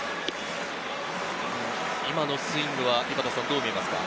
今のスイングどう見ますか？